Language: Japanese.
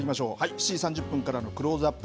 ７時３０分からのクローズアップ